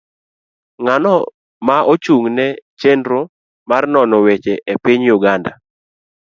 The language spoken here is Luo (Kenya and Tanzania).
Ng'ano ma ochung' ne chenro mar nono weche e piny Uganda